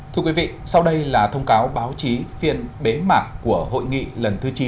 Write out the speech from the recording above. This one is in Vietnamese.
thưa quý vị sau đây là thông cáo báo chí phiên bế mạc của hội nghị lần thứ chín